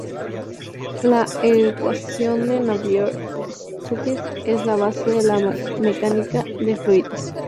La ecuación de Navier-Stokes es la base de la mecánica de fluidos.